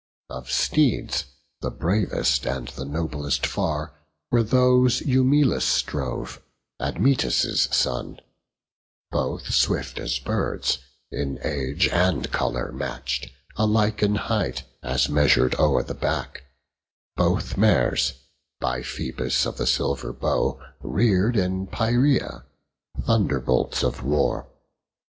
Of steeds, the bravest and the noblest far Were those Eumelus drove, Admetus' son: Both swift as birds, in age and colour match'd, Alike in height, as measur'd o'er the back; Both mares, by Phoebus of the silver bow Rear'd in Pieria, thunderbolts of war.